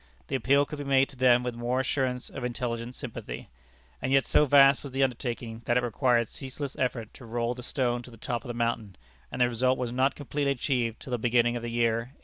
The appeal could be made to them with more assurance of intelligent sympathy. And yet so vast was the undertaking, that it required ceaseless effort to roll the stone to the top of the mountain, and the result was not completely achieved till the beginning of the year 1864.